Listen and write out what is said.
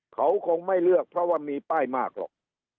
เขาคงไม่เลือกเพราะว่ามีป้ายมากหรอก